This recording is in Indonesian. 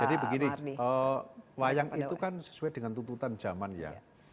jadi begini wayang itu kan sesuai dengan tuntutan zaman ya